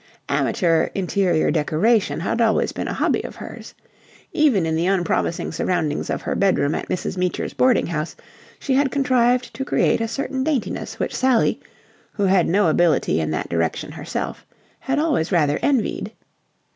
Amateur interior decoration had always been a hobby of hers. Even in the unpromising surroundings of her bedroom at Mrs. Meecher's boarding house she had contrived to create a certain daintiness which Sally, who had no ability in that direction herself, had always rather envied.